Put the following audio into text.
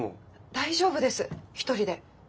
大丈夫です一人で。